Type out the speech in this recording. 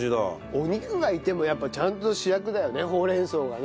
お肉がいてもやっぱちゃんと主役だよねほうれん草がね。